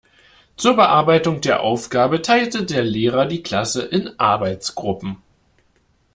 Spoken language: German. Zur Bearbeitung der Aufgabe teilte der Lehrer die Klasse in Arbeitsgruppen.